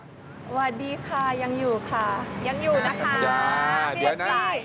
สวัสดีค่ะยังอยู่ค่ะยังอยู่นะคะ